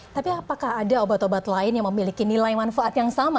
tapi apakah ada obat obat lain yang memiliki nilai manfaat yang sama